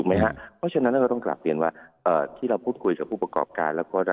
เพราะฉะนั้นเราต้องกลับเรียนว่าที่เราพูดคุยกับผู้ประกอบการแล้วก็